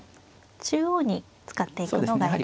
中央に使っていくのがいいんですね。